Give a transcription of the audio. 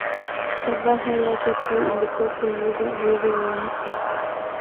Shabaha yake kuu ilikuwa kuongeza uwezo wa nchi.